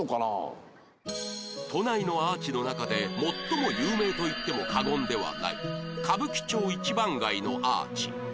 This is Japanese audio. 都内のアーチの中で最も有名といっても過言ではない歌舞伎町一番街のアーチ